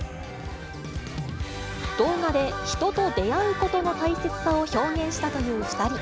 動画で人と出会うことの大切さを表現したという２人。